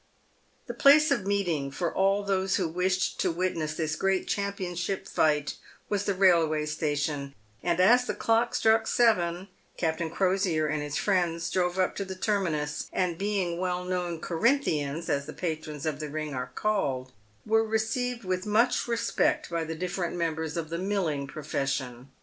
The place of meeting for all those who wished to witness this great championship fight was the railway station, and as the clock struck Beven, Captain Crosier and his friends drove up to the terminus, and being well known " Corinthians," as the patrons of the ring are called, were received with much respect by the different members of the " milling" profession.